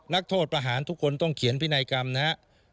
นักโทษประหารทุกคนต้องเขียนพินัยกรรมนะครับ